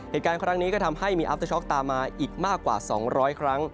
เหตุการณ์ครั้งนี้ก็ทำให้มีอัฟเตอร์ช็อกตามมาอีกมากกว่า๒๐๐ครั้ง